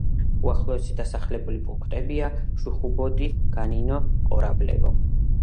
უახლოესი დასახლებული პუნქტებია: შუხობოდი, განინო, კორაბლევო.